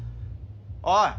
おい！